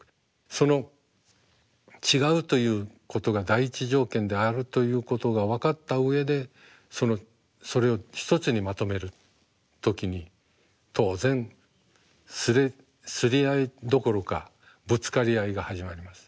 その違うということが第１条件であるということが分かった上でそれを一つにまとめる時に当然すり合いどころかぶつかり合いが始まります。